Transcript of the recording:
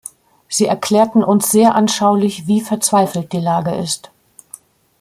Sie erklärten uns sehr anschaulich, wie verzweifelt die Lage ist.